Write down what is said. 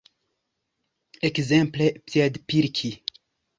Ekzemple piedpilki.